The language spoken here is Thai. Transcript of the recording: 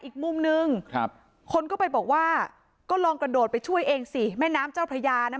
อีกมุมนึงคนก็ไปบอกว่าก็ลองกระโดดไปช่วยเองสิแม่น้ำเจ้าพระยานะ